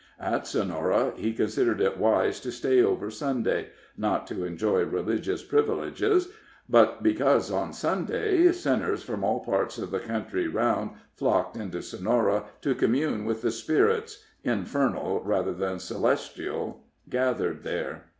At Sonora he considered it wise to stay over Sunday not to enjoy religious privileges, but because on Sunday sinners from all parts of the country round flocked into Sonora, to commune with the spirits, infernal rather than celestial, gathered there.